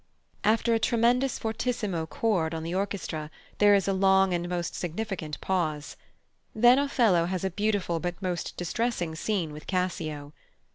After a tremendous fortissimo chord on the orchestra there is a long and most significant pause. Then Othello has a beautiful but most distressing scene with Cassio.